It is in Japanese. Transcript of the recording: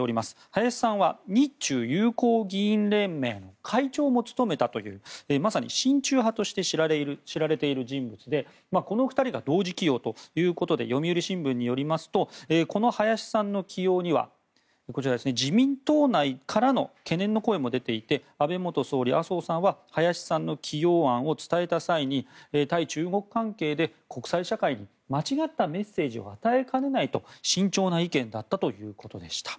林さんは日中友好議員連盟の会長も務めたというまさに親中派として知られている人物でこの２人が同時起用ということで読売新聞によりますとこの林さんの起用には自民党内からの懸念の声も出ていて安倍元総理、麻生さんは林さんの起用案を伝えた際に対中国関係で国際社会に間違ったメッセージを与えかねないと慎重な意見だったということでした。